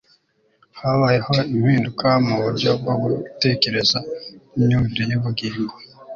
habayeho impinduka mu buryo bwo gutekereza n'imyumvire y'ubugingo